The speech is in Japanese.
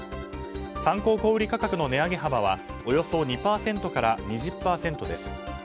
参考小売価格の値上げ幅はおよそ２％から２０％です。